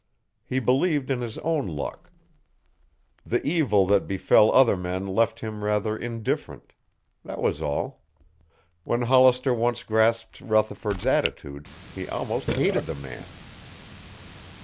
He believed in his own luck. The evil that befell other men left him rather indifferent. That was all. When Hollister once grasped Rutherford's attitude, he almost hated the man.